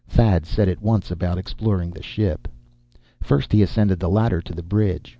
Thad set at once about exploring the ship. First he ascended the ladder to the bridge.